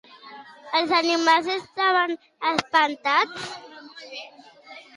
Els animals estaven espantats?